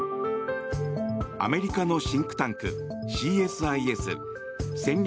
アメリカのシンクタンクＣＳＩＳ・戦略